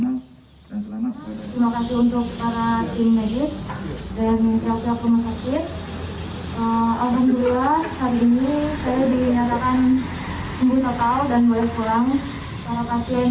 terima kasih untuk para tim medis dan pemerintah pemerintah sakit